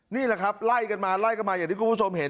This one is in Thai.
นี่แหละครับไล่กันมาไล่กันมาอย่างที่คุณผู้ชมเห็น